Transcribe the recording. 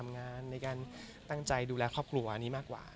งานในการตั้งใจดูแลครอบครัวอันนี้มากกว่า